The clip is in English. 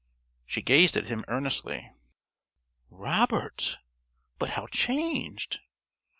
She gazed at him earnestly. "Robert! But how changed!"